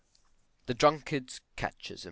THE DRUNKARD'S CATECHISM.